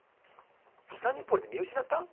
北日暮里で見失った？